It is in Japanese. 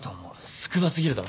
少なすぎるだろ。